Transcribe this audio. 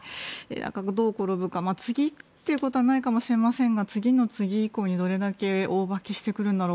どう転ぶか次ってことはないと思いますが次の次以降にどれだけ大化けしてくるんだろう